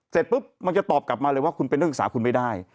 เสร็จปุ๊บมันจะตอบกลับมาเลยว่าคุณเป็นนักศึกษาคุณไม่ได้